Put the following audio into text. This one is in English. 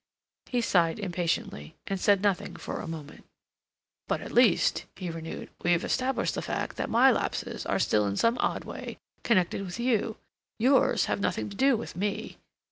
He sighed impatiently, and said nothing for a moment. "But at least," he renewed, "we've established the fact that my lapses are still in some odd way connected with you; yours have nothing to do with me.